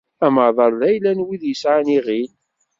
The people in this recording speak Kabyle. Amaḍal d ayla n wid yesɛan iɣil.